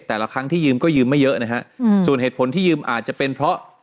แต่ละครั้งที่ยืมก็ยืมไม่เยอะนะฮะอืมส่วนเหตุผลที่ยืมอาจจะเป็นเพราะ